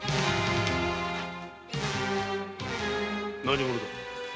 何者だ？